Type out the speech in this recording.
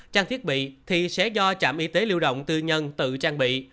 trang thiết bị thì sẽ do trạm y tế lưu động tư nhân tự trang bị